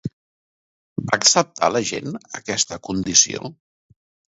Va acceptar la gent aquesta condició?